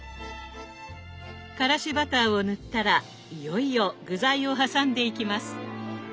からしバターを塗ったらいよいよ具材を挟んでいきます。